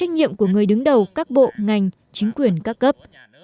nhiệm của người đứng đầu các bộ ngành chính quyền các cấp